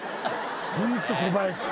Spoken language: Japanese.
ホント小林。